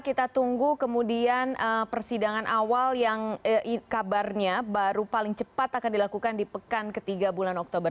kita tunggu kemudian persidangan awal yang kabarnya baru paling cepat akan dilakukan di pekan ketiga bulan oktober